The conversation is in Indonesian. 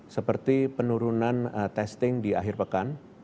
seperti penurunan testing di akhir pekan